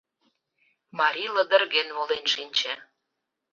Марий лыдырген волен шинче.